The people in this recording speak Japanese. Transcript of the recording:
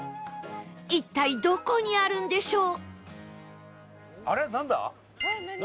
一体どこにあるんでしょう？